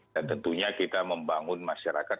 dan tentunya kita membangun masyarakat